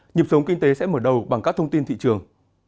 nhịp sống kinh tế sẽ mở đầu bằng các thông tin thị trường